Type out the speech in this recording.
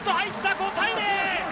５対０！